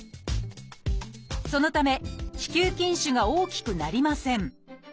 そのため子宮筋腫が大きくなりません